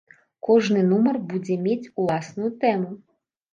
Кожны нумар будзе мець уласную тэму.